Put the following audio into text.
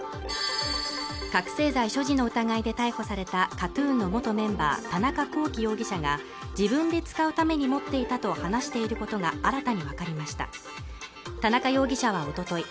覚醒剤所持の疑いで逮捕されたＫＡＴ−ＴＵＮの元メンバー田中聖容疑者が自分で使うために持っていたと話していることが新たに分かりました田中容疑者はおととい